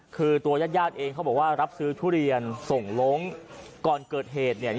คือตัวยาดเองเขาบอกว่ารับซื้อทุเรียนส่งลงก่อนเกิดเหตุเนี่ย